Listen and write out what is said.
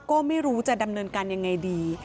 ก็ไม่รู้จะดำเนินการยังไงดี